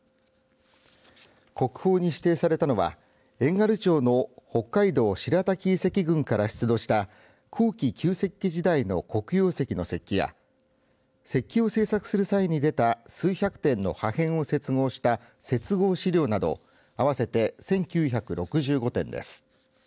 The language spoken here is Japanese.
国宝に指定されたのは遠軽町の北海道白滝遺跡群から出土した後期旧石器時代の黒曜石の石器や石器を制作する際に出た数百点の破片を接合した接合資料など合わせて１９６５点です。